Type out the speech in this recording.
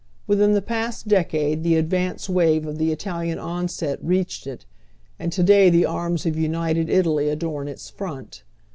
With in the past decade the advance wave of the Italian onset reached it, and to day the arms of United Italy adorn its front.